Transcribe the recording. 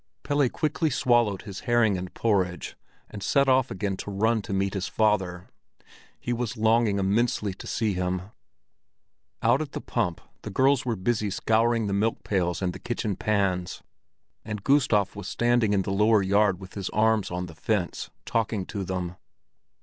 Pelle quickly swallowed his herring and porridge, and set off again to run to meet his father; he was longing immensely to see him. Out at the pump the girls were busy scouring the milkpails and kitchen pans; and Gustav was standing in the lower yard with his arms on the fence, talking to them.